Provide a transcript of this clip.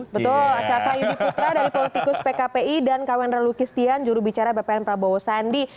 betul caka yudi putra dari politikus pkpi dan kak wendra lukistian jurubicara bpn prabowo sandi